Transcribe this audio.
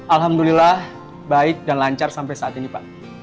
alhamdulillah baik dan lancar sampai saat ini pak